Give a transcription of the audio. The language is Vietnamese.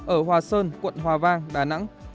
ở hòa sơn quận hòa vang đà nẵng